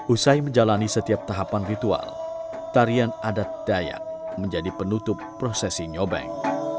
usai menjalani setiap tahapan ritual tarian adat dayak menjadi penutup prosesi nyobeng